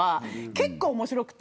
結構、面白くて。